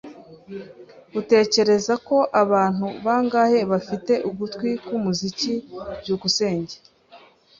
Utekereza ko abantu bangahe bafite ugutwi kwumuziki? byukusenge